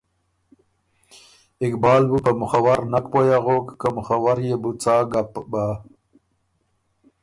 اقبال بُو په ”مُخّور“ نک پویٛ اغوک که مُخّور يې بُو څا ګپ بَۀ۔